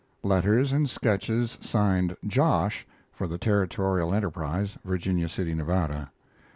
Letters and sketches, signed "Josh," for the Territorial Enterprise (Virginia City, Nevada).